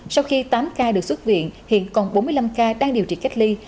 sau khi tám ca được xuất viện hiện còn bốn mươi năm ca đang điều trị cách ly